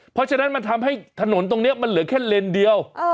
เพราะฉะนั้นมันทำให้ถนนตรงนี้มันเหลือแค่เลนเดียว